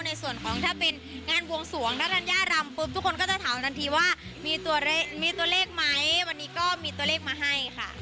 ในส่วนของถ้าเป็นงานบวงสวงถ้าธัญญารำปุ๊บทุกคนก็จะถามทันทีว่ามีตัวเลขไหมวันนี้ก็มีตัวเลขมาให้ค่ะ